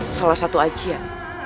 salah satu ajian